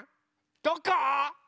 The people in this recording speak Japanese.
どこ？